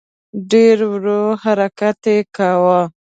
ډېر ورو حرکت یې کاوه.